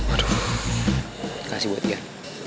aduh kasih buat ian